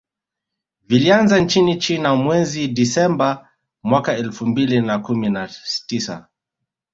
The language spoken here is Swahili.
Vilianzia nchini China mwezi Disemba mwaka elfu mbili na kumi na tisa